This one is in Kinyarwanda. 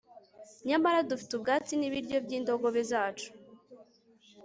nyamara dufite ubwatsi n'ibiryo by'indogobe zacu